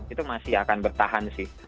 itu masih akan bertahan sih